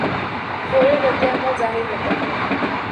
فوری رد عمل ظاہر کرتا ہوں